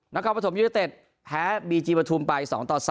นักการประถมยุเวตตแพ้บีจีบทุมไป๒๓